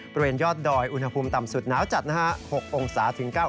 บริเวณยอดดอยอุณหภูมิต่ำสุดหนาวจัดนะครับ